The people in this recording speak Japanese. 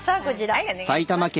はいお願いします。